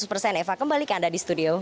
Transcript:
eva kembali ke anda di studio